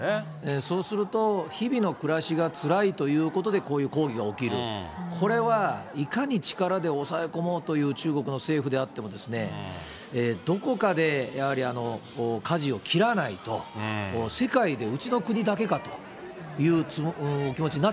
そうすると、日々の暮らしがつらいということで、こういう抗議が起きる、これはいかに力で抑え込もうという中国の政府であっても、どこかでやはりかじを切らないと、世界でうちの国だけかという気持